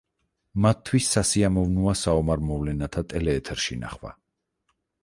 მათთვის სასიამოვნოა საომარ მოვლენათა ტელეეთერში ნახვა.